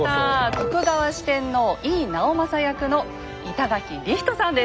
徳川四天王・井伊直政役の板垣李光人さんです。